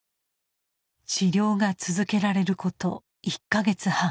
治療が続けられること１か月半。